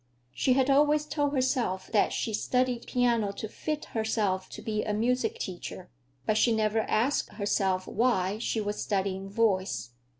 She had always told herself that she studied piano to fit herself to be a music teacher. But she never asked herself why she was studying voice.